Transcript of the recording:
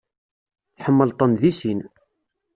Tḥemmleḍ-ten deg sin.